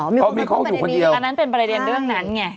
เพราะมีคนอยู่คนเดียวอันนั้นเป็นบริเวณเรื่องนั้นไง